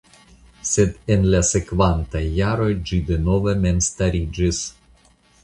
Sed en la sekvantaj jaroj ĝi denove memstariĝis.